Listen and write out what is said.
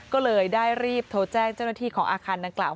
ก็เลยได้รีบโทรแจ้งเจ้าหน้าที่ของอาคารดังกล่าว